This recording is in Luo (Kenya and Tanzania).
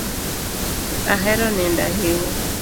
Ahero nindo ahinya